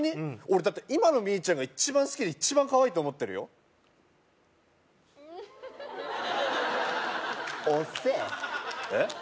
俺だって今のミーちゃんが一番好きで一番カワイイと思ってるよおせええっ？